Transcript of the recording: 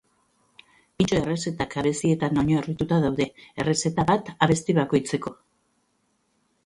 Pintxo errezetak abestietan oinarrituta daude, errezeta bat abesti bakoitzeko.